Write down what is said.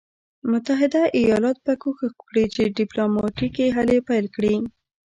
متحده ایالات به کوښښ وکړي چې ډیپلوماټیکي هلې پیل کړي.